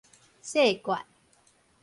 細罐